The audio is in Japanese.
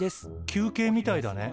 休憩みたいだね。